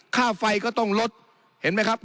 ค่าไฟก็ต้องลดเห็นไหมครับ